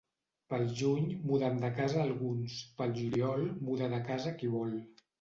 Pel juny muden de casa alguns; pel juliol muda de casa qui vol.